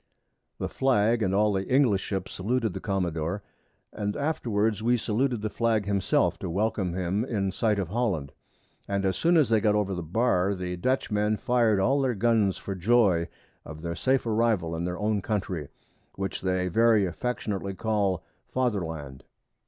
The Flag and all the English Ships saluted the Commadore, and afterwards we saluted the Flag himself to welcome him in sight of Holland; and as soon as they got over the Bar, the Dutch men fir'd all their Guns for joy of their safe Arrival in their own Country, which they very affectionately call Father land.